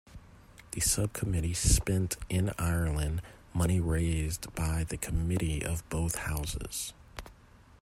The sub-committee spent, in Ireland, money raised by the Committee of Both Houses.